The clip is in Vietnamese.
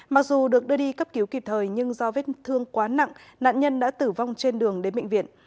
mặc dù được đưa đi cấp cứu kịp thời nhưng do vết thương quá nặng nạn nhân đã tử vong trên đường đến bệnh viện